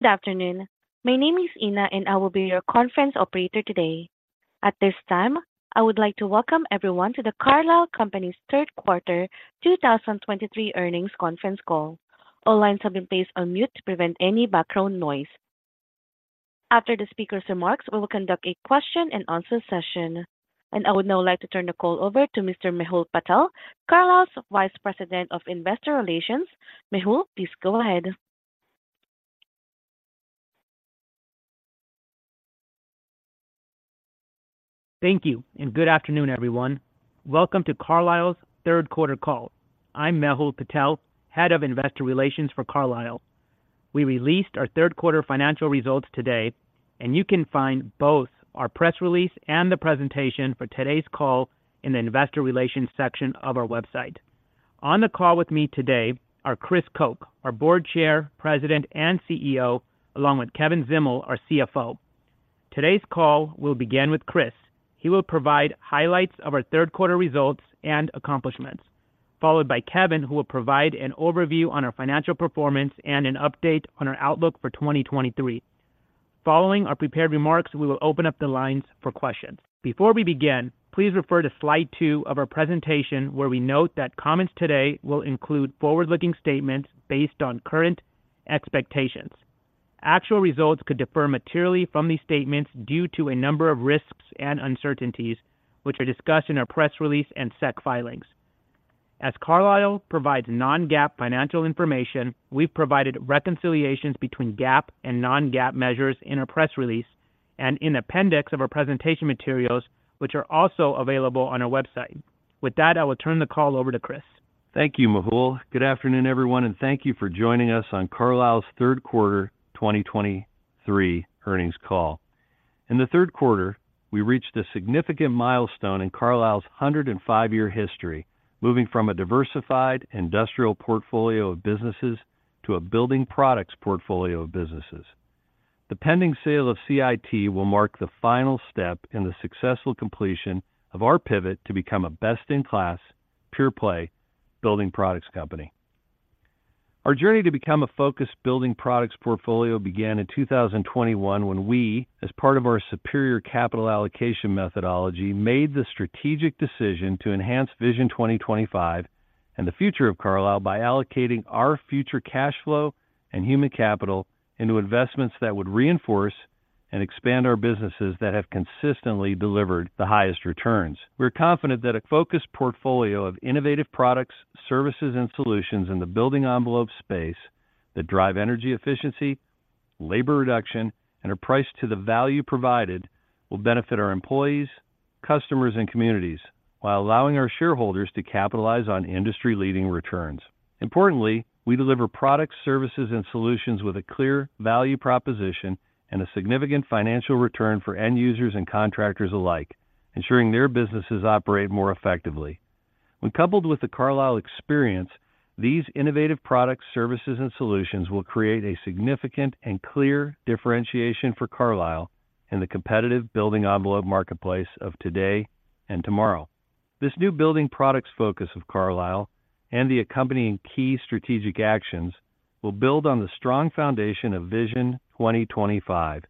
Good afternoon. My name is Ina, and I will be your conference operator today. At this time, I would like to welcome everyone to the Carlisle Companies' third quarter 2023 earnings conference call. All lines have been placed on mute to prevent any background noise. After the speaker's remarks, we will conduct a question and answer session. I would now like to turn the call over to Mr. Mehul Patel, Carlisle's Vice President of Investor Relations. Mehul, please go ahead. Thank you, and good afternoon, everyone. Welcome to Carlisle's third quarter call. I'm Mehul Patel, Head of Investor Relations for Carlisle. We released our third quarter financial results today, and you can find both our press release and the presentation for today's call in the Investor Relations section of our website. On the call with me today are Chris Koch, our Board Chair, President, and CEO, along with Kevin Zdimal, our CFO. Today's call will begin with Chris. He will provide highlights of our third quarter results and accomplishments, followed by Kevin, who will provide an overview on our financial performance and an update on our outlook for 2023. Following our prepared remarks, we will open up the lines for questions. Before we begin, please refer to slide 2 of our presentation, where we note that comments today will include forward-looking statements based on current expectations. Actual results could differ materially from these statements due to a number of risks and uncertainties, which are discussed in our press release and SEC filings. As Carlisle provides non-GAAP financial information, we've provided reconciliations between GAAP and non-GAAP measures in our press release and in appendix of our presentation materials, which are also available on our website. With that, I will turn the call over to Chris. Thank you, Mehul. Good afternoon, everyone, and thank you for joining us on Carlisle's third quarter 2023 earnings call. In the third quarter, we reached a significant milestone in Carlisle's 105-year history, moving from a diversified industrial portfolio of businesses to a building products portfolio of businesses. The pending sale of CIT will mark the final step in the successful completion of our pivot to become a best-in-class, pure-play building products company. Our journey to become a focused building products portfolio began in 2021, when we, as part of our superior capital allocation methodology, made the strategic decision to enhance Vision 2025 and the future of Carlisle by allocating our future cash flow and human capital into investments that would reinforce and expand our businesses that have consistently delivered the highest returns. We're confident that a focused portfolio of innovative products, services, and solutions in the building envelope space that drive energy efficiency, labor reduction, and are priced to the value provided will benefit our employees, customers, and communities while allowing our shareholders to capitalize on industry-leading returns. Importantly, we deliver products, services, and solutions with a clear value proposition and a significant financial return for end users and contractors alike, ensuring their businesses operate more effectively. When coupled with the Carlisle Experience, these innovative products, services, and solutions will create a significant and clear differentiation for Carlisle in the competitive building envelope marketplace of today and tomorrow. This new building products focus of Carlisle and the accompanying key strategic actions will build on the strong foundation of Vision 2025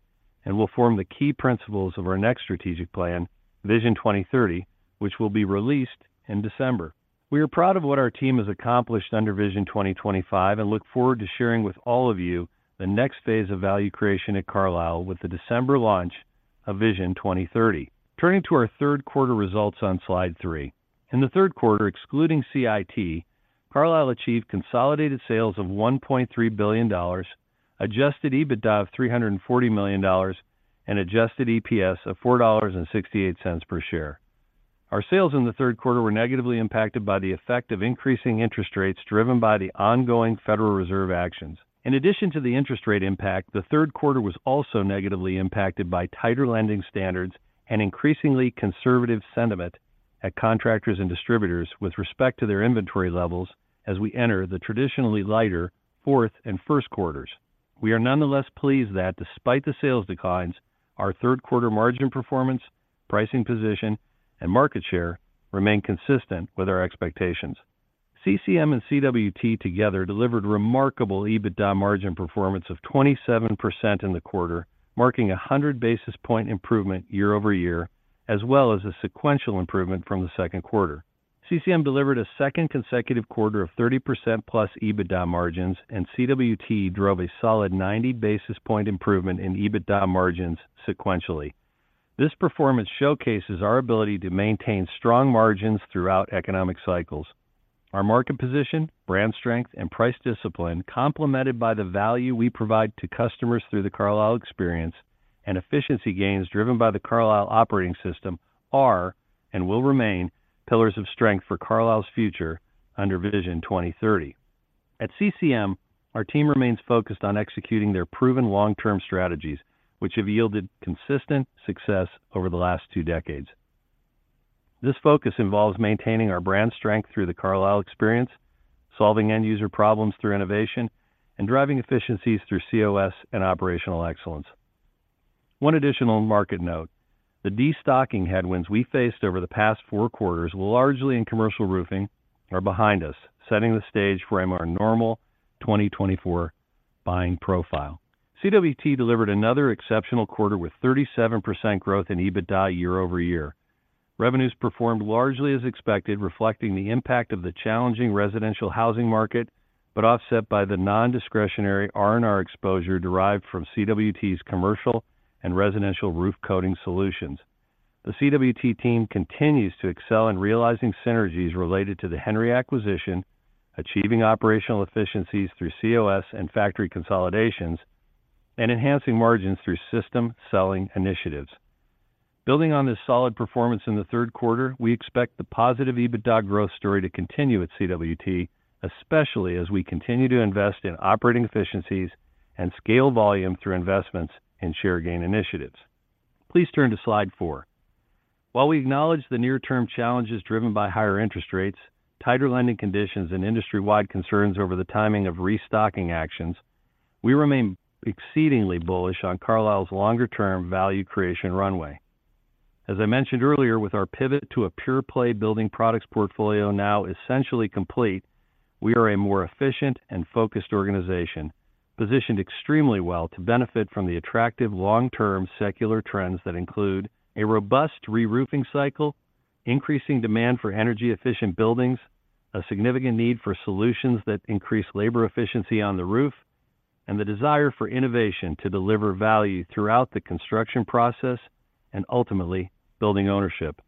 and will form the key principles of our next strategic plan, Vision 2030, which will be released in December. We are proud of what our team has accomplished under Vision 2025 and look forward to sharing with all of you the next phase of value creation at Carlisle with the December launch of Vision 2030. Turning to our third quarter results on slide 3. In the third quarter, excluding CIT, Carlisle achieved consolidated sales of $1.3 billion, adjusted EBITDA of $340 million, and adjusted EPS of $4.68 per share. Our sales in the third quarter were negatively impacted by the effect of increasing interest rates, driven by the ongoing Federal Reserve actions. In addition to the interest rate impact, the third quarter was also negatively impacted by tighter lending standards and increasingly conservative sentiment at contractors and distributors with respect to their inventory levels as we enter the traditionally lighter fourth and first quarters. We are nonetheless pleased that despite the sales declines, our third quarter margin performance, pricing position, and market share remain consistent with our expectations. CCM and CWT together delivered remarkable EBITDA margin performance of 27% in the quarter, marking a 100 basis point improvement year-over-year, as well as a sequential improvement from the second quarter. CCM delivered a second consecutive quarter of 30%+ EBITDA margins, and CWT drove a solid 90 basis point improvement in EBITDA margins sequentially. This performance showcases our ability to maintain strong margins throughout economic cycles. Our market position, brand strength, and price discipline, complemented by the value we provide to customers through the Carlisle Experience and efficiency gains driven by the Carlisle Operating System, are and will remain pillars of strength for Carlisle's future under Vision 2030. At CCM, our team remains focused on executing their proven long-term strategies, which have yielded consistent success over the last two decades. This focus involves maintaining our brand strength through the Carlisle Experience, solving end-user problems through innovation, and driving efficiencies through COS and operational excellence.... One additional market note: the destocking headwinds we faced over the past four quarters, largely in commercial roofing, are behind us, setting the stage for a more normal 2024 buying profile. CWT delivered another exceptional quarter, with 37% growth in EBITDA year-over-year. Revenues performed largely as expected, reflecting the impact of the challenging residential housing market, but offset by the non-discretionary R&R exposure derived from CWT's commercial and residential roof coating solutions. The CWT team continues to excel in realizing synergies related to the Henry acquisition, achieving operational efficiencies through COS and factory consolidations, and enhancing margins through system selling initiatives. Building on this solid performance in the third quarter, we expect the positive EBITDA growth story to continue at CWT, especially as we continue to invest in operating efficiencies and scale volume through investments in share gain initiatives. Please turn to slide 4. While we acknowledge the near-term challenges driven by higher interest rates, tighter lending conditions, and industry-wide concerns over the timing of restocking actions, we remain exceedingly bullish on Carlisle's longer-term value creation runway. As I mentioned earlier, with our pivot to a pure-play building products portfolio now essentially complete, we are a more efficient and focused organization, positioned extremely well to benefit from the attractive long-term secular trends that include: a robust reroofing cycle, increasing demand for energy-efficient buildings, a significant need for solutions that increase labor efficiency on the roof, and the desire for innovation to deliver value throughout the construction process and ultimately building ownership.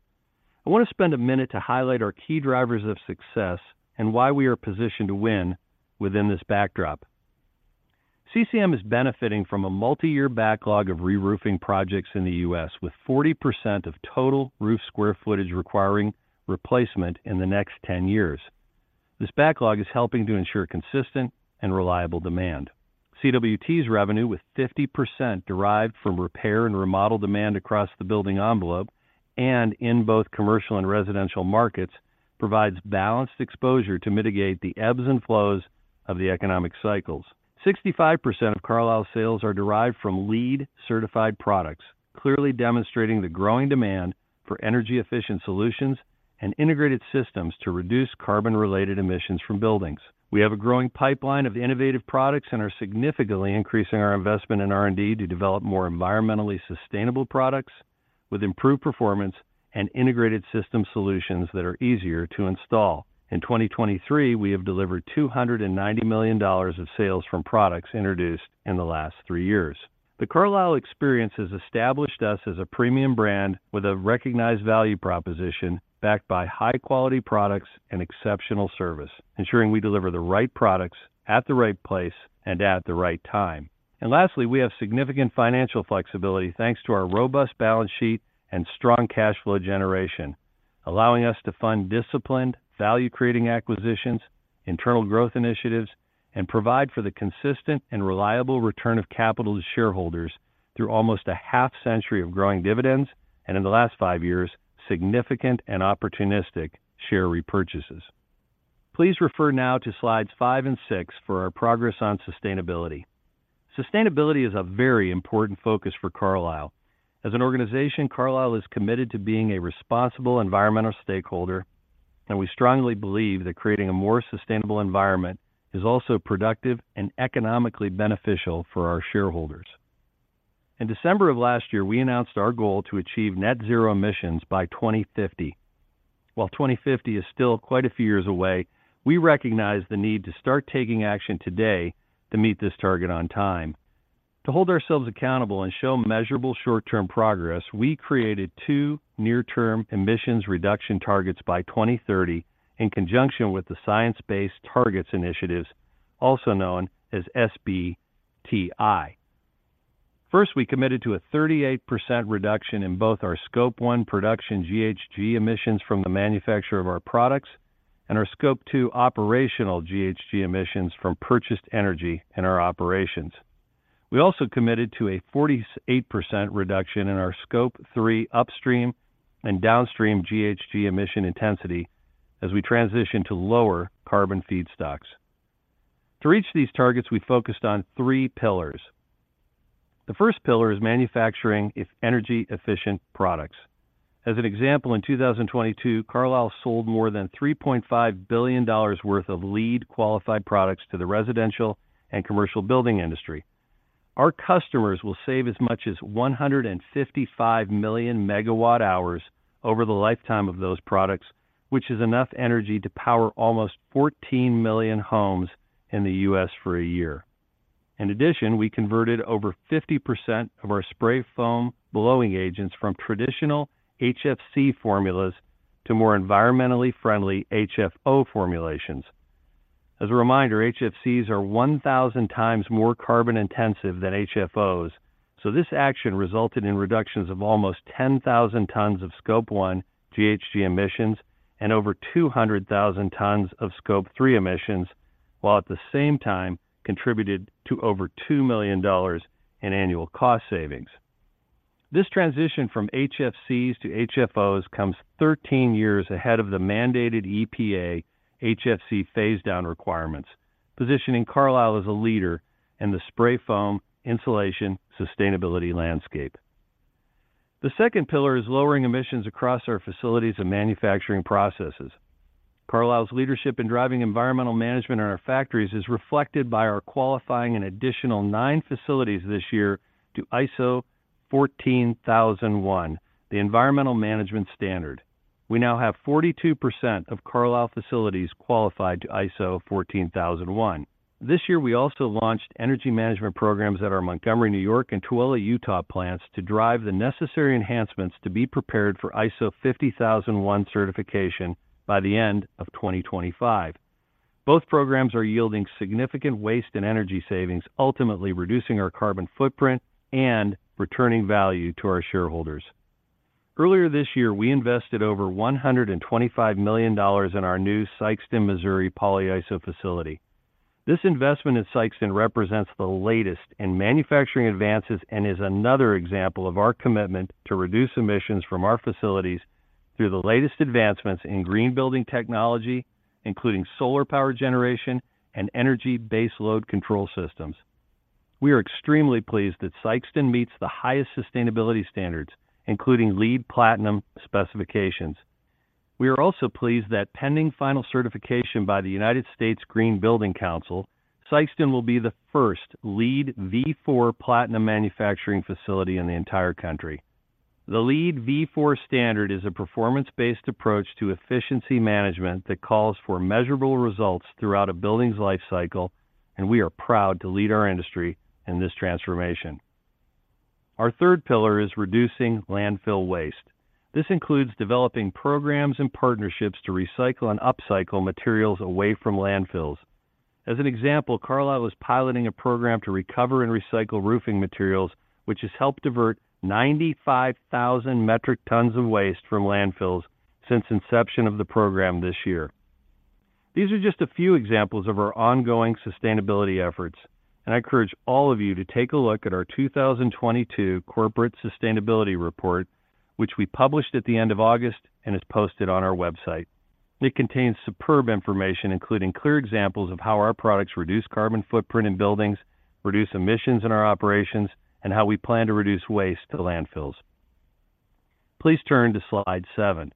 I want to spend a minute to highlight our key drivers of success and why we are positioned to win within this backdrop. CCM is benefiting from a multiyear backlog of reroofing projects in the U.S., with 40% of total roof square footage requiring replacement in the next 10 years. This backlog is helping to ensure consistent and reliable demand. CWT's revenue, with 50% derived from repair and remodel demand across the building envelope and in both commercial and residential markets, provides balanced exposure to mitigate the ebbs and flows of the economic cycles. 65% of Carlisle sales are derived from LEED-certified products, clearly demonstrating the growing demand for energy-efficient solutions and integrated systems to reduce carbon-related emissions from buildings. We have a growing pipeline of innovative products and are significantly increasing our investment in R&D to develop more environmentally sustainable products with improved performance and integrated system solutions that are easier to install. In 2023, we have delivered $290 million of sales from products introduced in the last three years. The Carlisle Experience has established us as a premium brand with a recognized value proposition, backed by high-quality products and exceptional service, ensuring we deliver the right products at the right place and at the right time. And lastly, we have significant financial flexibility, thanks to our robust balance sheet and strong cash flow generation, allowing us to fund disciplined, value-creating acquisitions, internal growth initiatives, and provide for the consistent and reliable return of capital to shareholders through almost a half-century of growing dividends, and in the last 5 years, significant and opportunistic share repurchases. Please refer now to slides 5 and 6 for our progress on sustainability. Sustainability is a very important focus for Carlisle. As an organization, Carlisle is committed to being a responsible environmental stakeholder, and we strongly believe that creating a more sustainable environment is also productive and economically beneficial for our shareholders. In December of last year, we announced our goal to achieve net zero emissions by 2050. While 2050 is still quite a few years away, we recognize the need to start taking action today to meet this target on time. To hold ourselves accountable and show measurable short-term progress, we created two near-term emissions reduction targets by 2030 in conjunction with the Science Based Targets initiative, also known as SBTi. First, we committed to a 38% reduction in both our Scope 1 production GHG emissions from the manufacture of our products and our Scope 2 operational GHG emissions from purchased energy in our operations. We also committed to a 48% reduction in our Scope 3 upstream and downstream GHG emission intensity as we transition to lower carbon feedstocks. To reach these targets, we focused on three pillars. The first pillar is manufacturing energy-efficient products. As an example, in 2022, Carlisle sold more than $3.5 billion worth of LEED-qualified products to the residential and commercial building industry. Our customers will save as much as 155 million MWh over the lifetime of those products, which is enough energy to power almost 14 million homes in the U.S. for a year. In addition, we converted over 50% of our spray foam blowing agents from traditional HFC formulas to more environmentally friendly HFO formulations. As a reminder, HFCs are 1,000 times more carbon-intensive than HFOs, so this action resulted in reductions of almost 10,000 tons of Scope 1 GHG emissions and over 200,000 tons of Scope 3 emissions, while at the same time contributed to over $2 million in annual cost savings. This transition from HFCs to HFOs comes 13 years ahead of the mandated EPA HFC phase down requirements, positioning Carlisle as a leader in the spray foam insulation sustainability landscape. The second pillar is lowering emissions across our facilities and manufacturing processes. Carlisle's leadership in driving environmental management in our factories is reflected by our qualifying an additional 9 facilities this year to ISO 14001, the environmental management standard. We now have 42% of Carlisle facilities qualified to ISO 14001. This year, we also launched energy management programs at our Montgomery, New York, and Tooele, Utah, plants to drive the necessary enhancements to be prepared for ISO 50001 certification by the end of 2025. Both programs are yielding significant waste and energy savings, ultimately reducing our carbon footprint and returning value to our shareholders. Earlier this year, we invested over $125 million in our new Sikeston, Missouri, polyiso facility. This investment in Sikeston represents the latest in manufacturing advances and is another example of our commitment to reduce emissions from our facilities through the latest advancements in green building technology, including solar power generation and energy baseload control systems. We are extremely pleased that Sikeston meets the highest sustainability standards, including LEED Platinum specifications. We are also pleased that pending final certification by the U.S. Green Building Council, Sikeston will be the first LEED v4 Platinum manufacturing facility in the entire country. The LEED v4 standard is a performance-based approach to efficiency management that calls for measurable results throughout a building's life cycle, and we are proud to lead our industry in this transformation. Our third pillar is reducing landfill waste. This includes developing programs and partnerships to recycle and upcycle materials away from landfills. As an example, Carlisle is piloting a program to recover and recycle roofing materials, which has helped divert 95,000 metric tons of waste from landfills since inception of the program this year. These are just a few examples of our ongoing sustainability efforts, and I encourage all of you to take a look at our 2022 corporate sustainability report, which we published at the end of August and is posted on our website. It contains superb information, including clear examples of how our products reduce carbon footprint in buildings, reduce emissions in our operations, and how we plan to reduce waste to landfills. Please turn to slide 7.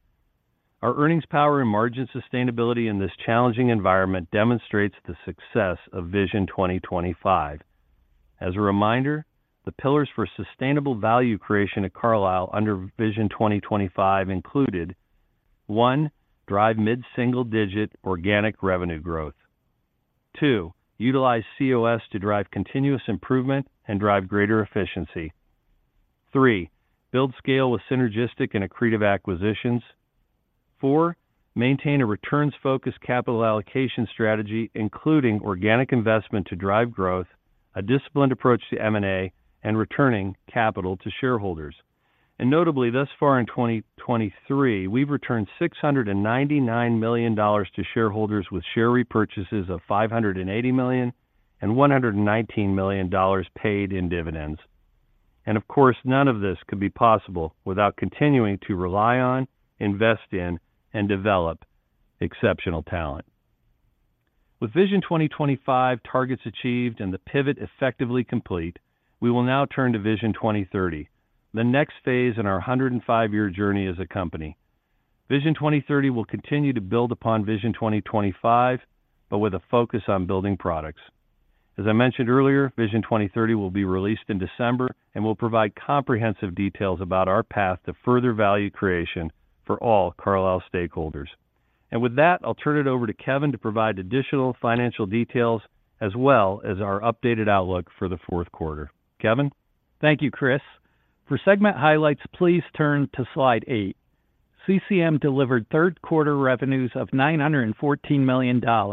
Our earnings power and margin sustainability in this challenging environment demonstrates the success of Vision 2025. As a reminder, the pillars for sustainable value creation at Carlisle under Vision 2025 included: one, drive mid-single-digit organic revenue growth. Two, utilize COS to drive continuous improvement and drive greater efficiency. Three, build scale with synergistic and accretive acquisitions. Four, maintain a returns-focused capital allocation strategy, including organic investment to drive growth, a disciplined approach to M&A, and returning capital to shareholders. And notably, thus far in 2023, we've returned $699 million to shareholders with share repurchases of $580 million and $119 million paid in dividends. And of course, none of this could be possible without continuing to rely on, invest in, and develop exceptional talent. With Vision 2025 targets achieved and the pivot effectively complete, we will now turn to Vision 2030, the next phase in our 105-year journey as a company. Vision 2030 will continue to build upon Vision 2025, but with a focus on building products. As I mentioned earlier, Vision 2030 will be released in December and will provide comprehensive details about our path to further value creation for all Carlisle stakeholders. With that, I'll turn it over to Kevin to provide additional financial details as well as our updated outlook for the fourth quarter. Kevin? Thank you, Chris. For segment highlights, please turn to slide 8. CCM delivered third quarter revenues of $914 million, down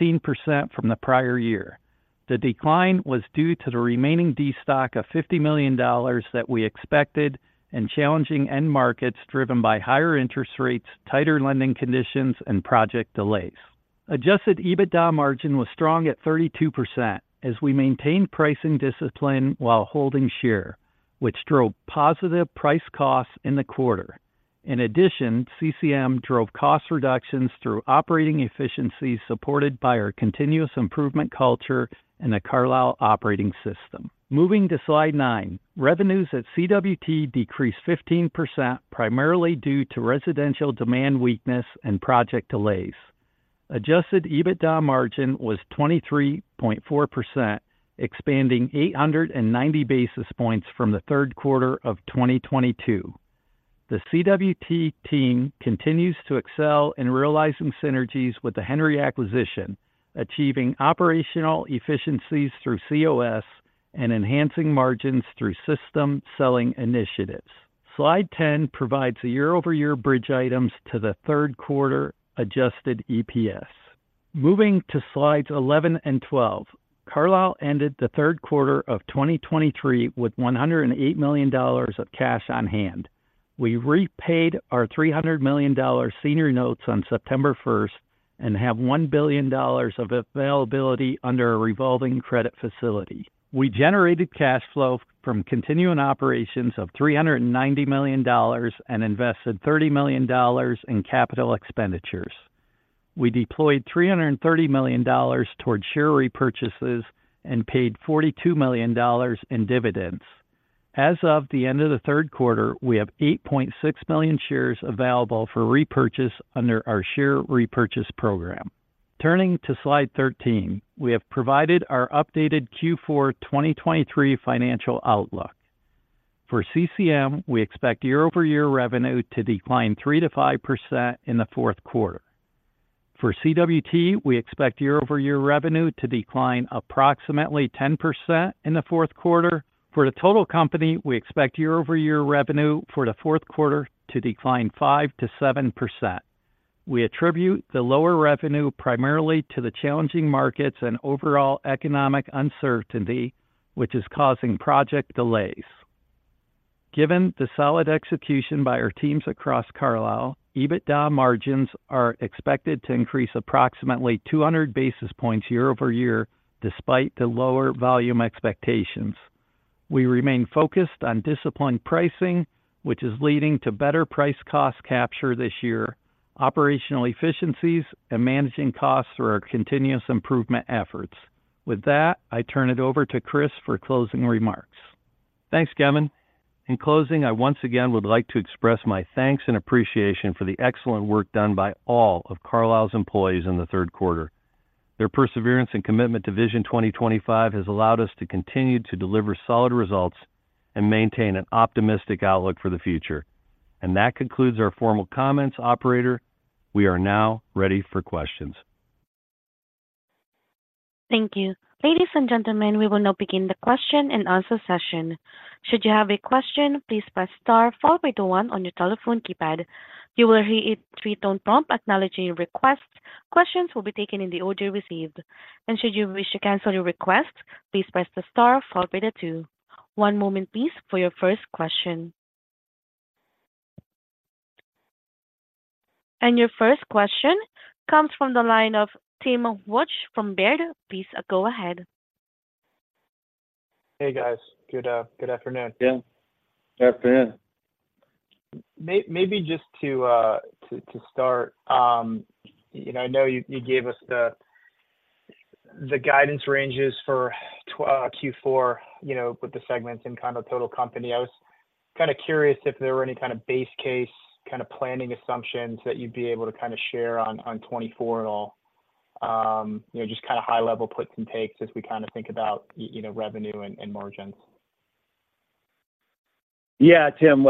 16% from the prior year. The decline was due to the remaining destock of $50 million that we expected and challenging end markets driven by higher interest rates, tighter lending conditions, and project delays. Adjusted EBITDA margin was strong at 32% as we maintained pricing discipline while holding share, which drove positive price-cost in the quarter. In addition, CCM drove cost reductions through operating efficiencies, supported by our continuous improvement culture and the Carlisle Operating System. Moving to slide 9, revenues at CWT decreased 15%, primarily due to residential demand weakness and project delays. Adjusted EBITDA margin was 23.4%, expanding 890 basis points from the third quarter of 2022. The CWT team continues to excel in realizing synergies with the Henry acquisition, achieving operational efficiencies through COS and enhancing margins through system selling initiatives. Slide 10 provides the year-over-year bridge items to the third quarter adjusted EPS. Moving to slides 11 and 12, Carlisle ended the third quarter of 2023 with $108 million of cash on hand. We repaid our $300 million senior notes on September first and have $1 billion of availability under a revolving credit facility. We generated cash flow from continuing operations of $390 million and invested $30 million in capital expenditures. We deployed $330 million towards share repurchases and paid $42 million in dividends. As of the end of the third quarter, we have 8.6 million shares available for repurchase under our share repurchase program. Turning to slide 13, we have provided our updated Q4 2023 financial outlook. For CCM, we expect year-over-year revenue to decline 3%-5% in the fourth quarter. For CWT, we expect year-over-year revenue to decline approximately 10% in the fourth quarter. For the total company, we expect year-over-year revenue for the fourth quarter to decline 5%-7%. We attribute the lower revenue primarily to the challenging markets and overall economic uncertainty, which is causing project delays. Given the solid execution by our teams across Carlisle, EBITDA margins are expected to increase approximately 200 basis points year-over-year, despite the lower volume expectations. We remain focused on disciplined pricing, which is leading to better price-cost capture this year, operational efficiencies, and managing costs through our continuous improvement efforts. With that, I turn it over to Chris for closing remarks. Thanks, Kevin. In closing, I once again would like to express my thanks and appreciation for the excellent work done by all of Carlisle's employees in the third quarter. Their perseverance and commitment to Vision 2025 has allowed us to continue to deliver solid results and maintain an optimistic outlook for the future. That concludes our formal comments, operator. We are now ready for questions. Thank you. Ladies and gentlemen, we will now begin the question-and-answer session. Should you have a question, please press star 4.1 on your telephone keypad. You will hear a 3-tone prompt acknowledging your request. Questions will be taken in the order received, and should you wish to cancel your request, please press the star 4.2. One moment, please, for your first question. Your first question comes from the line of Tim Wojs from Baird. Please, go ahead. Hey, guys. Good, good afternoon. Yeah. Afternoon. Maybe just to start, you know, I know you gave us the guidance ranges for Q4, you know, with the segments and kind of total company. I was kinda curious if there were any kind of base case, kind of planning assumptions that you'd be able to kinda share on 2024 at all? You know, just kinda high level puts and takes as we kinda think about you know, revenue and margins. Yeah, Tim,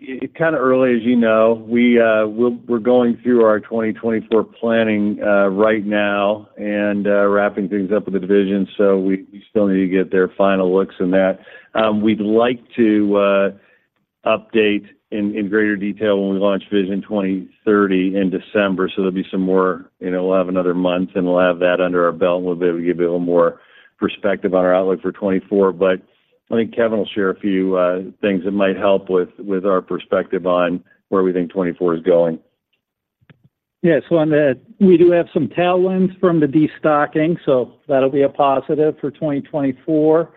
it's kind of early, as you know. We're going through our 2024 planning right now and wrapping things up with the division, so we still need to get their final looks in that. We'd like to update in greater detail when we launch Vision 2030 in December. So there'll be some more, you know, we'll have another month, and we'll have that under our belt, and we'll be able to give you a little more perspective on our outlook for 2024. But I think Kevin will share a few things that might help with our perspective on where we think 2024 is going. Yes. Well, on that, we do have some tailwinds from the destocking, so that'll be a positive for 2024.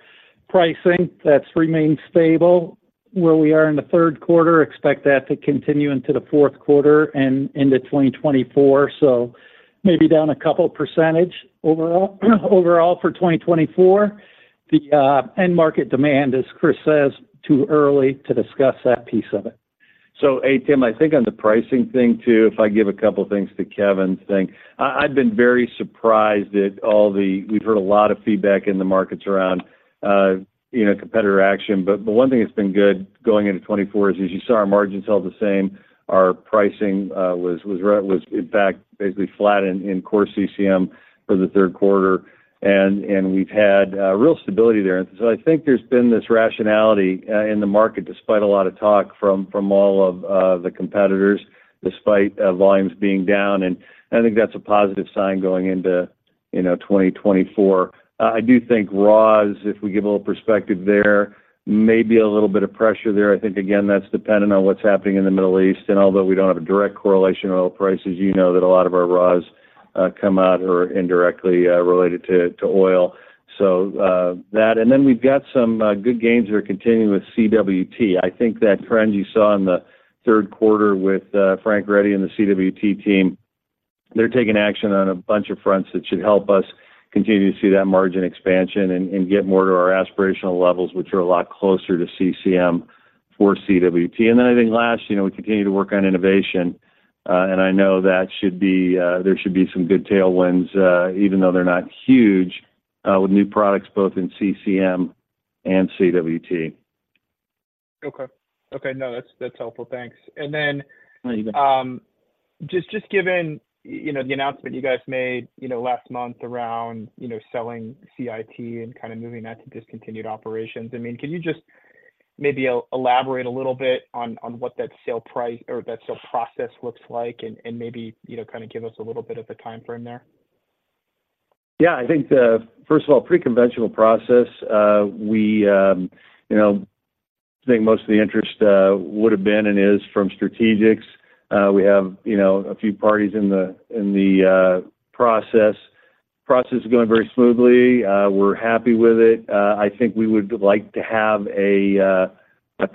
Pricing, that's remained stable. Where we are in the third quarter, expect that to continue into the fourth quarter and into 2024. So maybe down a couple percentage overall, overall for 2024. The end market demand, as Chris says, too early to discuss that piece of it. So, hey, Tim, I think on the pricing thing, too, if I give a couple things to Kevin's thing. I've been very surprised at all the, we've heard a lot of feedback in the markets around, you know, competitor action, but one thing that's been good going into 2024 is, as you saw, our margins held the same. Our pricing was, in fact, basically flat in core CCM for the third quarter, and we've had real stability there. So I think there's been this rationality in the market, despite a lot of talk from all of the competitors, despite volumes being down, and I think that's a positive sign going into, you know, 2024. I do think raws, if we give a little perspective there, may be a little bit of pressure there. I think, again, that's dependent on what's happening in the Middle East. And although we don't have a direct correlation on oil prices, you know that a lot of our raws come out or indirectly related to, to oil. So, that, and then we've got some good gains that are continuing with CWT. I think that trend you saw in the third quarter with Frank Ready and the CWT team, they're taking action on a bunch of fronts that should help us continue to see that margin expansion and, and get more to our aspirational levels, which are a lot closer to CCM for CWT. I think last, you know, we continue to work on innovation, and I know that should be, there should be some good tailwinds, even though they're not huge, with new products both in CCM and CWT. Okay. Okay, no, that's, that's helpful. Thanks. And then- You bet. Just, just given, you know, the announcement you guys made, you know, last month around, you know, selling CIT and kinda moving that to discontinued operations, I mean, can you just maybe elaborate a little bit on, on what that sale price or that sale process looks like and, and maybe, you know, kind of give us a little bit of a timeframe there? Yeah, I think the, first of all, pretty conventional process. We, you know, I think most of the interest, you know, would have been and is from strategics. We have, you know, a few parties in the process. Process is going very smoothly, we're happy with it. I think we would like to have a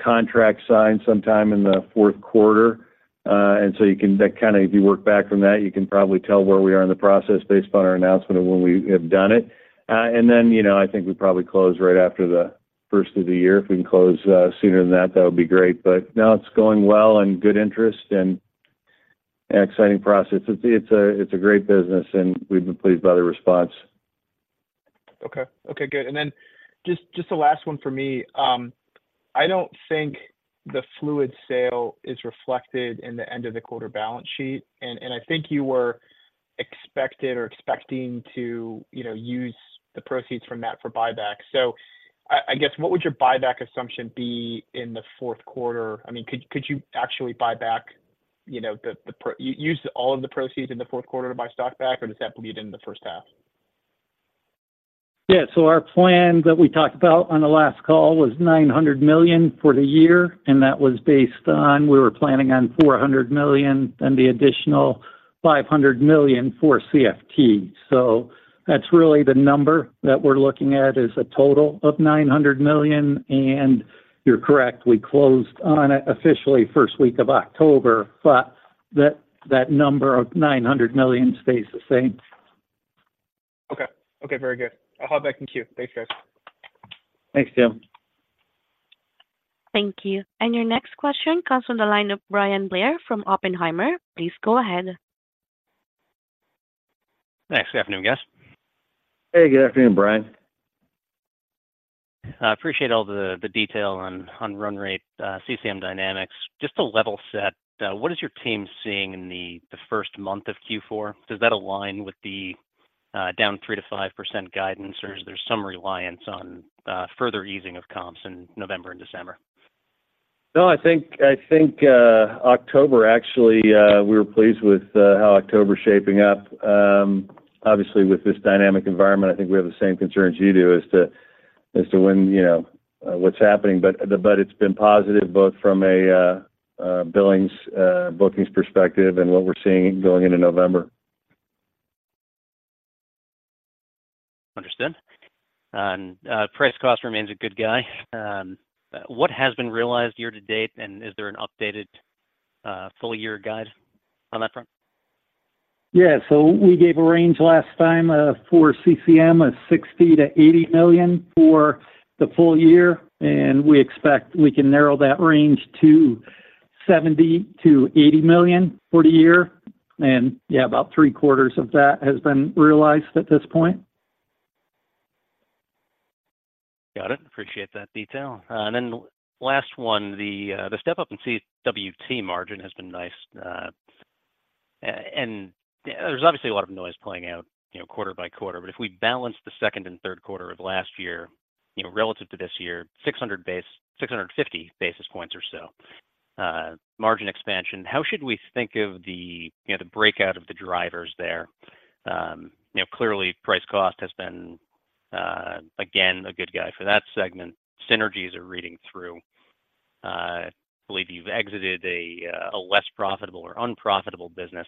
contract signed sometime in the fourth quarter. You can-- that kinda, if you work back from that, you can probably tell where we are in the process based on our announcement of when we have done it. I think we probably close right after the first of the year. If we can close sooner than that, that would be great. Now it's going well, and good interest, and an exciting process. It's a great business, and we've been pleased by the response. Okay. Okay, good. And then just the last one for me. I don't think the fluid sale is reflected in the end of the quarter balance sheet, and I think you were expected or expecting to, you know, use the proceeds from that for buyback. So I guess, what would your buyback assumption be in the fourth quarter? I mean, could you actually buy back, you know, the proceeds in the fourth quarter to buy stock back, or does that bleed into the first half? Yeah. So our plan that we talked about on the last call was $900 million for the year, and that was based on we were planning on $400 million, then the additional $500 million for CFT. So that's really the number that we're looking at, is a total of $900 million, and you're correct, we closed on it officially first week of October, but that, that number of $900 million stays the same. Okay. Okay, very good. I'll hop back in queue. Thanks, guys. Thanks, Tim. Thank you. Your next question comes from the line of Bryan Blair from Oppenheimer. Please go ahead. Thanks. Good afternoon, guys. Hey, good afternoon, Brian. I appreciate all the detail on run rate, CCM dynamics. Just to level set, what is your team seeing in the first month of Q4? Does that align with the down 3%-5% guidance, or is there some reliance on further easing of comps in November and December? No, I think, I think October, actually, we were pleased with how October's shaping up. Obviously, with this dynamic environment, I think we have the same concerns you do as to, as to when, you know, what's happening. It's been positive, both from a billings, bookings perspective and what we're seeing going into November. Understood. And, price-cost remains a good guy. What has been realized year to date, and is there an updated, full year guide on that front? Yeah, so we gave a range last time for CCM, $60 million-$80 million for the full year, and we expect we can narrow that range to $70 million-$80 million for the year. Yeah, about three quarters of that has been realized at this point. Got it. Appreciate that detail. And then last one, the step up in CWT margin has been nice. And there's obviously a lot of noise playing out, you know, quarter by quarter, but if we balance the second and third quarter of last year, you know, relative to this year, 650 basis points or so, margin expansion, how should we think of the, you know, the breakout of the drivers there? You know, clearly, price-cost has been, again, a good guy for that segment. Synergies are reading through. I believe you've exited a less profitable or unprofitable business.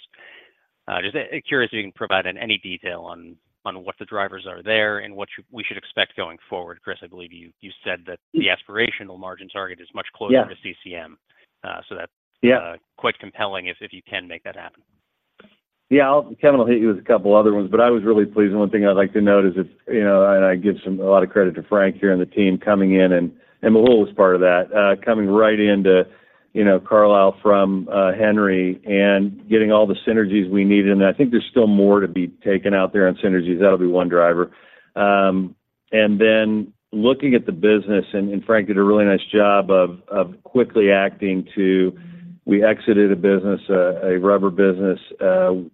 Just curious if you can provide any detail on what the drivers are there and what we should expect going forward. Chris, I believe you said that the aspirational margin target is much closer- Yeah.... to CCM. So that's- Yeah.... quite compelling if you can make that happen. Yeah, I'll, Kevin will hit you with a couple other ones, but I was really pleased, and one thing I'd like to note is that, you know, and I give some, a lot of credit to Frank here and the team coming in, and Mehul was part of that, coming right into, you know, Carlisle from Henry, and getting all the synergies we needed. And I think there's still more to be taken out there on synergies. That'll be one driver. And then looking at the business, and Frank did a really nice job of quickly acting to. We exited a business, a rubber business,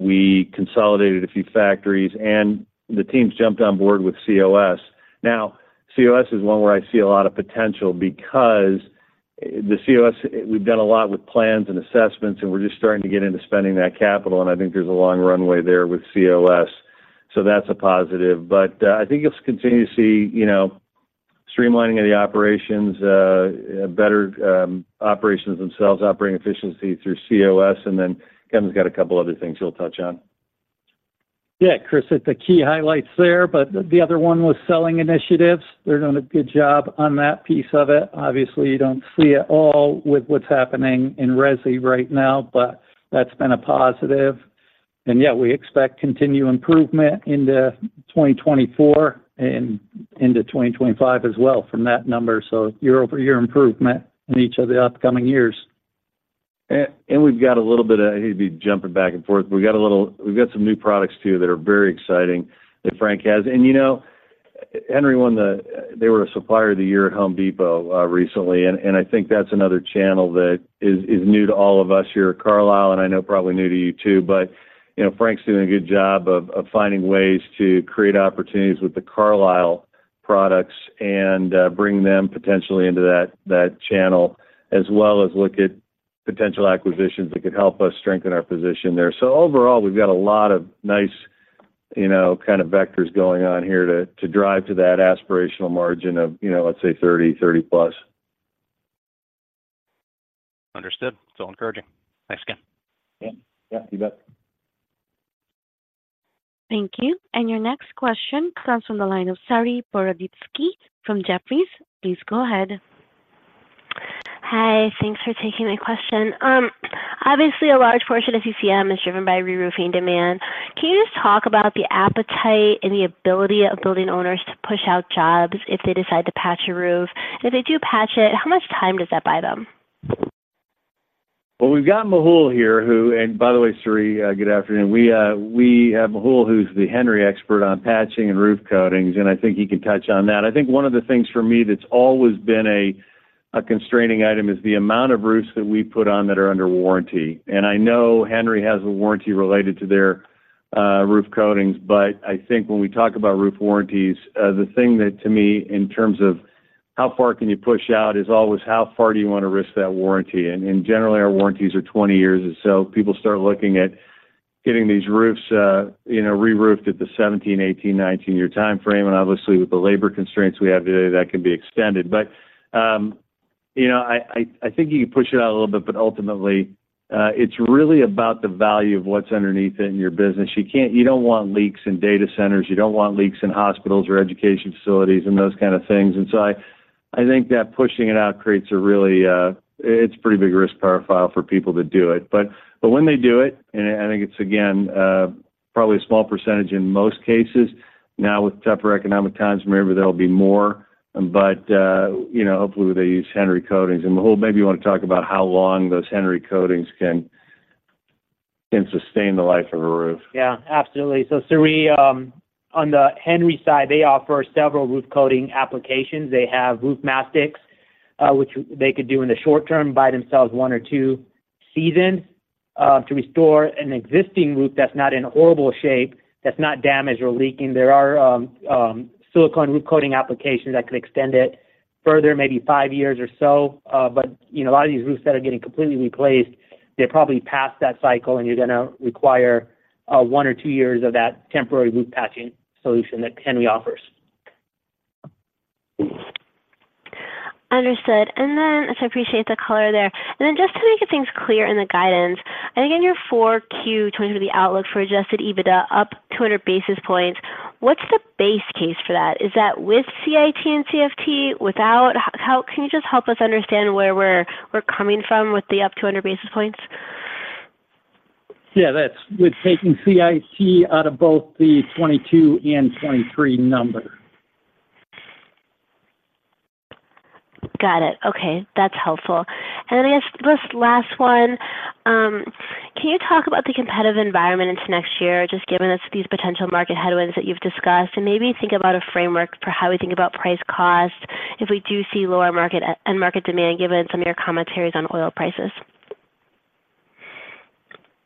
we consolidated a few factories, and the teams jumped on board with COS. Now, COS is one where I see a lot of potential because the COS, we've done a lot with plans and assessments, and we're just starting to get into spending that capital, and I think there's a long runway there with COS, so that's a positive. But, I think you'll continue to see, you know, streamlining of the operations, better, operations themselves, operating efficiency through COS, and then Kevin's got a couple other things he'll touch on. Yeah, Chris, it's the key highlights there, but the other one was selling initiatives. They're doing a good job on that piece of it. Obviously, you don't see it all with what's happening in Resi right now, but that's been a positive. And yeah, we expect continued improvement into 2024 and into 2025 as well from that number, so year-over-year improvement in each of the upcoming years. We've got a little bit of, I hate to be jumping back and forth. We've got a little, we've got some new products, too, that are very exciting, that Frank has. You know, Henry won the, they were a Supplier of the Year at Home Depot recently, and I think that's another channel that is new to all of us here at Carlisle, and I know probably new to you, too. You know, Frank's doing a good job of finding ways to create opportunities with the Carlisle products and bring them potentially into that channel, as well as look at potential acquisitions that could help us strengthen our position there. So overall, we've got a lot of nice, you know, kind of vectors going on here to, to drive to that aspirational margin of, you know, let's say 30%, 30%+. Understood. So encouraging. Thanks again. Yeah. Yeah, you bet. Thank you. Your next question comes from the line of Saree Boroditsky from Jefferies. Please go ahead. Hi, thanks for taking my question. Obviously, a large portion of CCM is driven by reroofing demand. Can you just talk about the appetite and the ability of building owners to push out jobs if they decide to patch a roof? If they do patch it, how much time does that buy them? Well, we've got Mehul here, who. And by the way, Saree, good afternoon. We have Mehul, who's the Henry expert on patching and roof coatings, and I think he could touch on that. I think one of the things for me that's always been a constraining item is the amount of roofs that we put on that are under warranty. And I know Henry has a warranty related to their roof coatings, but I think when we talk about roof warranties, the thing that to me, in terms of how far can you push out, is always how far do you wanna risk that warranty? And generally, our warranties are 20 years or so. People start looking at getting these roofs, you know, reroofed at the 17, 18, 19-year timeframe, and obviously, with the labor constraints we have today, that can be extended. But, you know, I think you push it out a little bit, but ultimately, it's really about the value of what's underneath it in your business. You can't-- You don't want leaks in data centers. You don't want leaks in hospitals or education facilities and those kind of things. And so I think that pushing it out creates a really... It's a pretty big risk profile for people to do it. But when they do it, and I think it's, again, probably a small percentage in most cases. Now, with tougher economic times, maybe there'll be more, but, you know, hopefully they use Henry coatings. Mehul, maybe you wanna talk about how long those Henry coatings can sustain the life of a roof. Yeah, absolutely. Saree, on the Henry side, they offer several roof coating applications. They have roof mastics, which they could do in the short term, buy themselves one or two seasons, to restore an existing roof that's not in horrible shape, that's not damaged or leaking. There are silicone roof coating applications that could extend it further, maybe five years or so. You know, a lot of these roofs that are getting completely replaced, they're probably past that cycle, and you're gonna require one or two years of that temporary roof patching solution that Henry offers. Understood. I appreciate the color there. Just to make things clear in the guidance, I think in your Q4 2022, the outlook for adjusted EBITDA up 200 basis points, what's the base case for that? Is that with CIT and CFT, without? How can you just help us understand where we're coming from with the up 200 basis points? Yeah, that's with taking CIT out of both the 2022 and 2023 number. Got it. Okay, that's helpful. And then I guess this last one, can you talk about the competitive environment into next year, just given us these potential market headwinds that you've discussed, and maybe think about a framework for how we think about price-cost if we do see lower market, end market demand, given some of your commentaries on oil prices?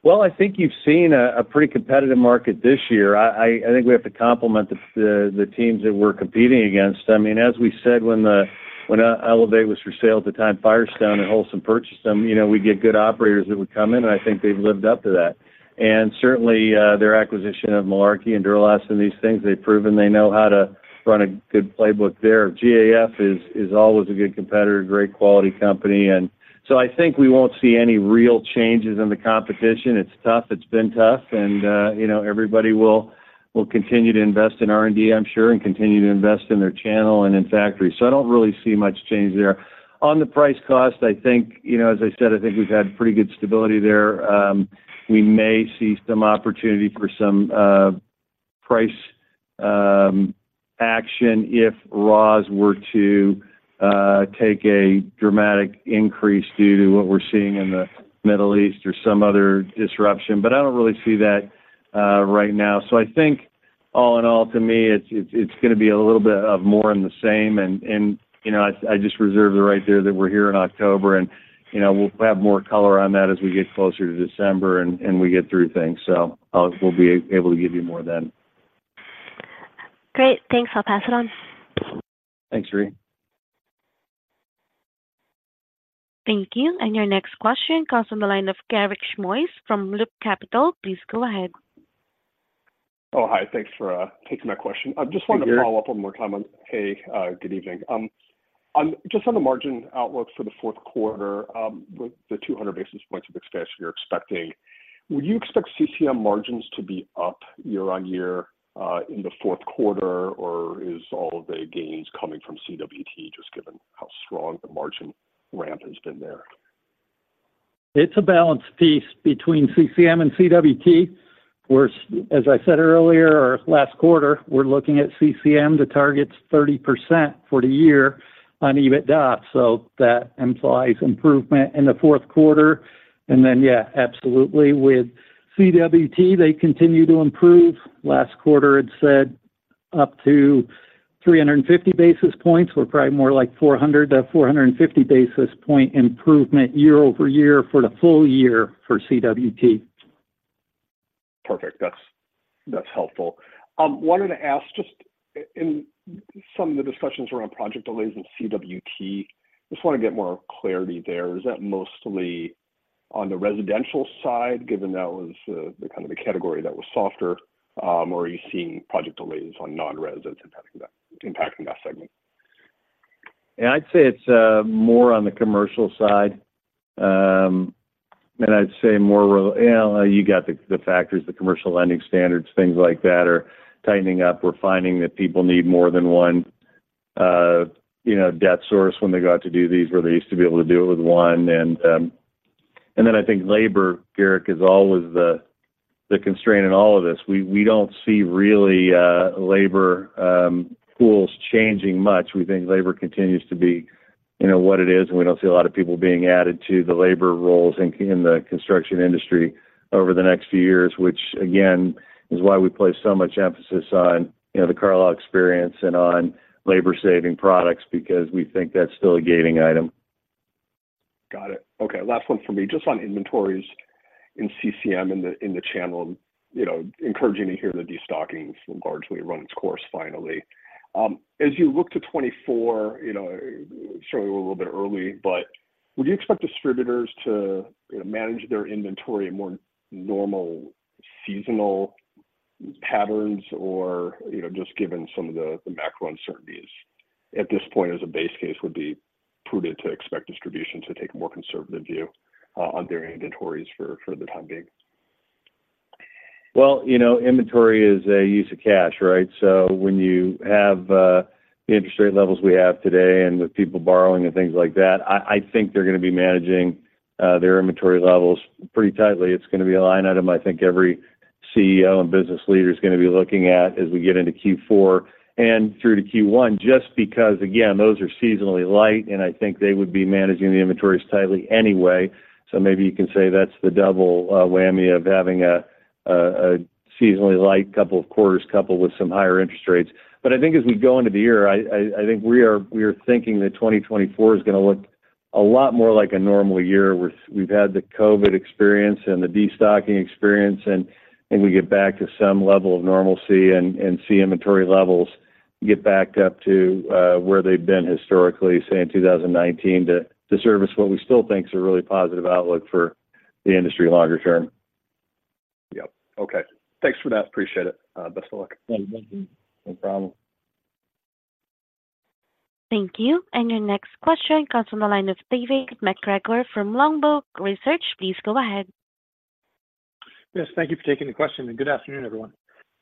Well, I think you've seen a pretty competitive market this year. I think we have to compliment the teams that we're competing against. I mean, as we said, when Elevate was for sale at the time, Firestone and Holcim purchased them, you know, we get good operators that would come in, and I think they've lived up to that. Certainly, their acquisition of Malarkey and Duro-Last and these things, they've proven they know how to run a good playbook there. GAF is always a good competitor, great quality company, and so I think we won't see any real changes in the competition. It's tough. It's been tough, and, you know, everybody will continue to invest in R&D, I'm sure, and continue to invest in their channel and in factory. So I don't really see much change there. On the price-cost, I think, you know, as I said, I think we've had pretty good stability there. We may see some opportunity for some price action if raws were to take a dramatic increase due to what we're seeing in the Middle East or some other disruption, but I don't really see that right now. So I think all in all, to me, it's gonna be a little bit more of the same, and, you know, I just reserve the right there, that we're here in October, and, you know, we'll have more color on that as we get closer to December and we get through things. So we'll be able to give you more then. Great, thanks. I'll pass it on. Thanks, Saree. Thank you. And your next question comes from the line of Garik Shmois from Loop Capital. Please go ahead. Oh, hi. Thanks for taking my question. Good to hear. Good evening. Just on the margin outlook for the fourth quarter, with the 200 basis points of expansion you're expecting, would you expect CCM margins to be up year-over-year in the fourth quarter, or is all of the gains coming from CWT, just given how strong the margin ramp has been there? It's a balanced piece between CCM and CWT. We're, as I said earlier or last quarter, we're looking at CCM to target 30% for the year on EBITDA, so that implies improvement in the fourth quarter. And then, yeah, absolutely, with CWT, they continue to improve. Last quarter, it said up to 350 basis points, we're probably more like 400-450 basis point improvement year-over-year for the full year for CWT. Perfect. That's helpful. I wanted to ask, just in some of the discussions around project delays in CWT, just want to get more clarity there. Is that mostly on the residential side, given that was the, kind of the category that was softer, or are you seeing project delays on non-residential impacting that, impacting that segment? Yeah, I'd say it's more on the commercial side. I'd say more, yeah, you got the factors, the commercial lending standards, things like that are tightening up. We're finding that people need more than one, you know, debt source when they go out to do these, where they used to be able to do it with one. I think labor, Garik, is always the constraint in all of this. We don't see really, you know, labor pools changing much. We think labor continues to be, you know, what it is, and we don't see a lot of people being added to the labor roles in the construction industry over the next few years, which, again, is why we place so much emphasis on, you know, the Carlisle Experience and on labor-saving products, because we think that's still a gaining item. Got it. Okay, last one for me. Just on inventories in CCM, in the channel, you know, encouraging to hear that destocking has largely run its course finally. As you look to 2024, you know, certainly we're a little bit early, but would you expect distributors to, you know, manage their inventory in more normal seasonal patterns? Or, you know, just given some of the macro uncertainties at this point as a base case, would be prudent to expect distribution to take a more conservative view on their inventories for the time being? Well, you know, inventory is a use of cash, right? So when you have the interest rate levels we have today and the people borrowing and things like that, I think they're gonna be managing their inventory levels pretty tightly. It's gonna be a line item I think every CEO and business leader is gonna be looking at as we get into Q4 and through to Q1, just because, again, those are seasonally light, and I think they would be managing the inventories tightly anyway. So maybe you can say that's the double whammy of having a seasonally light couple of quarters, coupled with some higher interest rates. I think as we go into the year, I think we are, we are thinking that 2024 is gonna look a lot more like a normal year, where we've had the COVID experience and the destocking experience and we get back to some level of normalcy and see inventory levels get backed up to where they've been historically, say, in 2019, to service what we still think is a really positive outlook for the industry longer term. Yep. Okay. Thanks for that. Appreciate it. Best of luck. Yeah, thank you. No problem. Thank you. Your next question comes from the line of David MacGregor from Longbow Research. Please go ahead. Yes, thank you for taking the question, and good afternoon, everyone.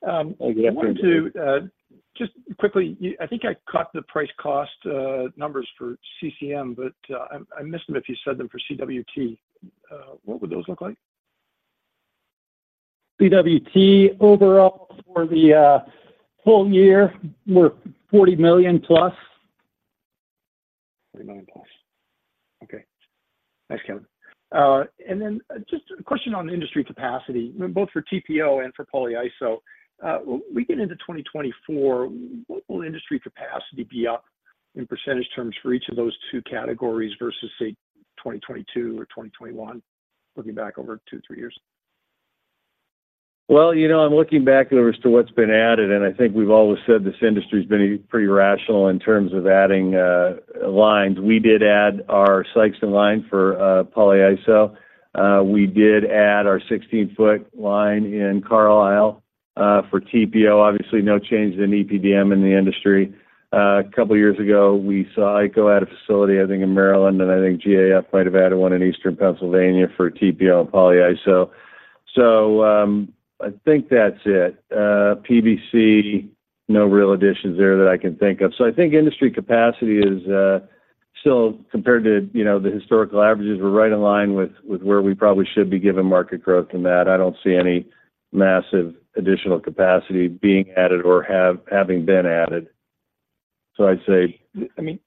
Good afternoon. I wanted to, just quickly, you, I think I caught the price-cost numbers for CCM, but, I, I missed them if you said them for CWT. What would those look like? CWT, overall for the whole year, we're $40 million plus. $40 million plus. Okay. Thanks, Kevin. And then just a question on industry capacity, both for TPO and for polyiso. We get into 2024, what will industry capacity be up in percentage terms for each of those two categories versus, say, 2022 or 2021, looking back over two, three years? Well, you know, I'm looking back over as to what's been added, and I think we've always said this industry's been pretty rational in terms of adding lines. We did add our Sikeston line for polyiso. We did add our 16-foot line in Carlisle for TPO. Obviously, no change in EPDM in the industry. A couple of years ago, we saw IKO add a facility, I think, in Maryland, and I think GAF might have added one in eastern Pennsylvania for TPO and polyiso. So I think that's it. PVC, no real additions there that I can think of. So I think industry capacity is still compared to, you know, the historical averages, we're right in line with where we probably should be given market growth in that. I don't see any massive additional capacity being added or having been added. So I'd say- I mean,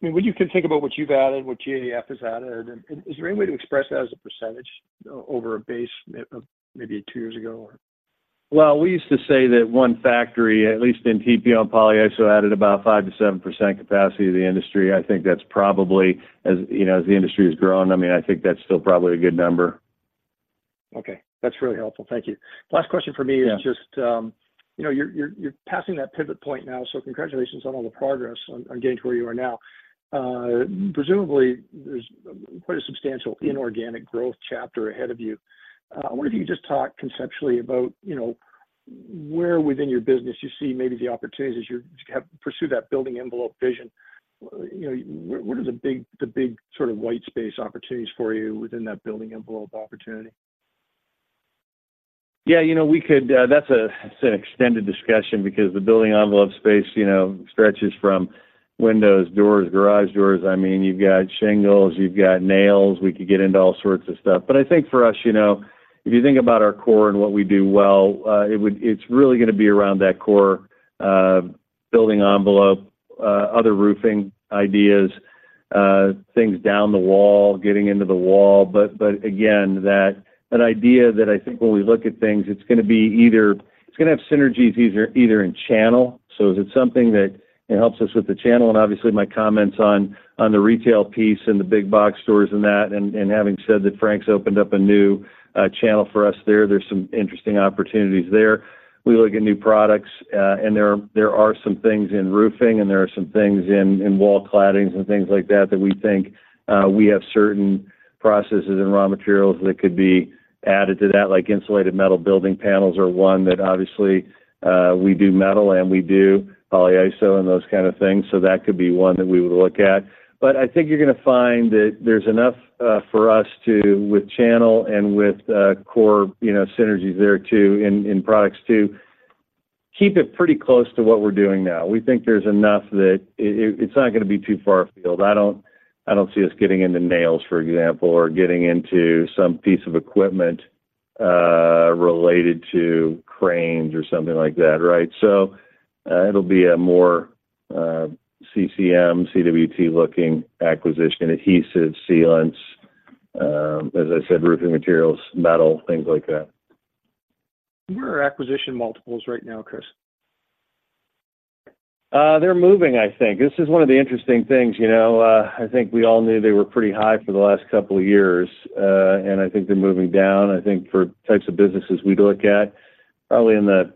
when you can think about what you've added, what GAF has added, is there any way to express that as a percentage over a base of maybe two years ago or? Well, we used to say that one factory, at least in TPO and polyiso, added about 5%-7% capacity to the industry. I think that's probably as, you know, as the industry has grown, I mean, I think that's still probably a good number. Okay. That's really helpful. Thank you. Last question for me. Yeah. Is just, you know, you're passing that pivot point now, so congratulations on all the progress on getting to where you are now. Presumably, there's quite a substantial inorganic growth chapter ahead of you. I wonder if you could just talk conceptually about, you know, where within your business you see maybe the opportunities as you pursue that building envelope vision. You know, what are the big sort of white space opportunities for you within that building envelope opportunity? Yeah, you know, we could... That's a, it's an extended discussion because the building envelope space, you know, stretches from windows, doors, garage doors. I mean, you've got shingles, you've got nails. We could get into all sorts of stuff. I think for us, you know, if you think about our core and what we do well, it's really gonna be around that core building envelope, other roofing ideas, things down the wall, getting into the wall. Again, that idea that I think when we look at things, it's gonna be either, it's gonna have synergies either in channel. Is it something that it helps us with the channel? And obviously, my comments on the retail piece and the big box stores and that, and having said that, Frank's opened up a new channel for us there. There's some interesting opportunities there. We look at new products, and there are some things in roofing, and there are some things in wall claddings and things like that, that we think we have certain processes and raw materials that could be added to that, like insulated metal building panels are one that obviously we do metal and we do polyiso and those kind of things, so that could be one that we would look at. But I think you're gonna find that there's enough for us to, with channel and with core, you know, synergies there too, in products to keep it pretty close to what we're doing now. We think there's enough that it's not gonna be too far afield. I don't see us getting into nails, for example, or getting into some piece of equipment related to cranes or something like that, right? So, it'll be a more CCM, CWT-looking acquisition, adhesives, sealants, as I said, roofing materials, metal, things like that. Where are acquisition multiples right now, Chris? They're moving, I think. This is one of the interesting things, you know. I think we all knew they were pretty high for the last couple of years, you know, and I think they're moving down. I think for types of businesses we'd look at, probably in the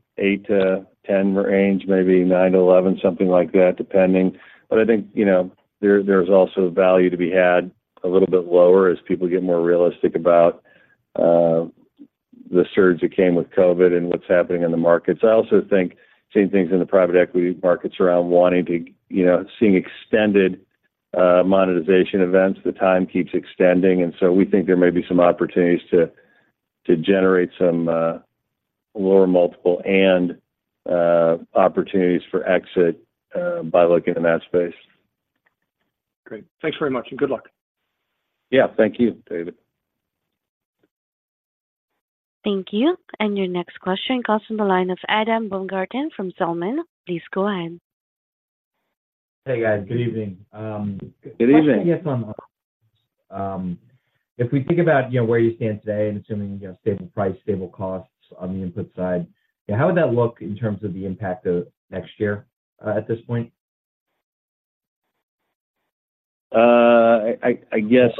8x-10x range, maybe 9x-11x, something like that, depending. I think, you know, there's also value to be had a little bit lower as people get more realistic about the surge that came with COVID and what's happening in the markets. I also think same things in the private equity markets around wanting to, you know, seeing extended monetization events. The time keeps extending, and so we think there may be some opportunities to generate some lower multiple and opportunities for exit by looking in that space. Great. Thanks very much, and good luck. Yeah, thank you, David. Thank you. And your next question comes from the line of Adam Baumgarten from Zelman. Please go ahead. Hey, guys. Good evening. Good evening. If we think about, you know, where you stand today and assuming, you know, stable price, stable costs on the input side, how would that look in terms of the impact of next year at this point? I guess.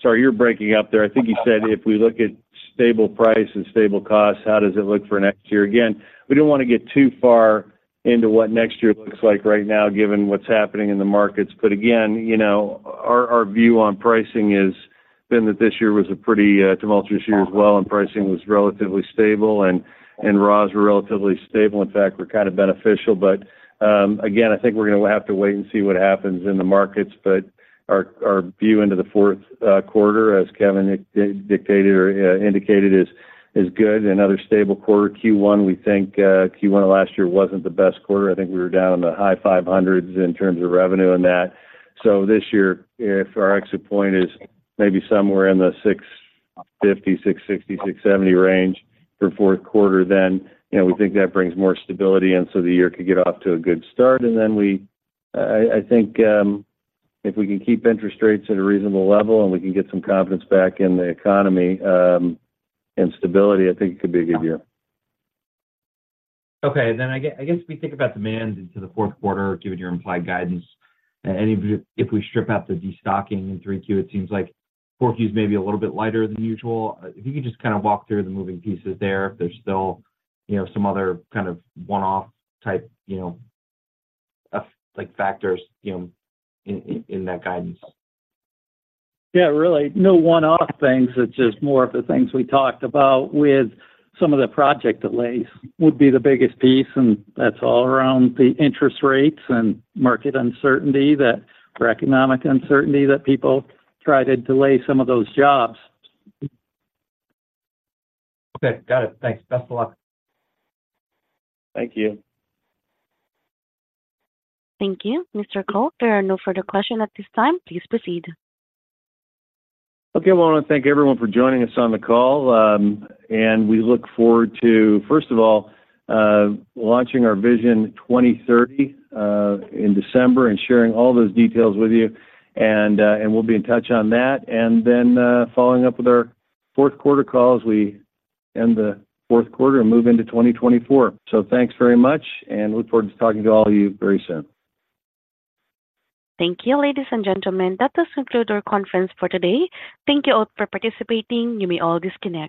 Sorry, you're breaking up there. I think you said if we look at stable price and stable costs, how does it look for next year? Again, we don't wanna get too far into what next year looks like right now, given what's happening in the markets. But again, you know, our view on pricing is, been that this year was a pretty tumultuous year as well, and pricing was relatively stable, and raws were relatively stable. In fact, we're kind of beneficial. But again, I think we're gonna have to wait and see what happens in the markets. But our view into the fourth quarter, as Kevin dictated or indicated, is good. Another stable quarter Q1, we think, Q1 of last year wasn't the best quarter. I think we were down in the high $500s in terms of revenue on that. So this year, if our exit point is maybe somewhere in the $650, $660, $670 range for fourth quarter, then, you know, we think that brings more stability, and so the year could get off to a good start. And then I think, if we can keep interest rates at a reasonable level, and we can get some confidence back in the economy, and stability, I think it could be a good year. Okay. Then I guess we think about demand into the fourth quarter, given your implied guidance. And if, if we strip out the destocking in 3Q, it seems like 4Q is maybe a little bit lighter than usual. If you could just kind of walk through the moving pieces there, if there's still, you know, some other kind of one-off type, you know, like factors, you know, in, in, in that guidance. Yeah, really no one-off things. It's just more of the things we talked about with some of the project delays would be the biggest piece, and that's all around the interest rates and market uncertainty, that economic uncertainty that people try to delay some of those jobs. Okay. Got it. Thanks. Best of luck. Thank you. Thank you. Mr. Koch, there are no further questions at this time. Please proceed. Okay. I wanna thank everyone for joining us on the call, and we look forward to, first of all, launching our Vision 2030 in December and sharing all those details with you, and we'll be in touch on that. And then, following up with our fourth quarter call as we end the fourth quarter and move into 2024. So thanks very much, and look forward to talking to all of you very soon. Thank you, ladies and gentlemen. That does conclude our conference for today. Thank you all for participating. You may all disconnect.